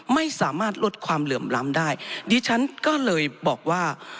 ไม่สามารถลดความเหลื่อมล้ำได้ดิฉันก็เลยบอกว่า